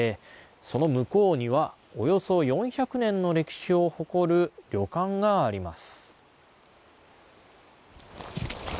その向こうにはおよそ４００年の歴史を誇る旅館があります。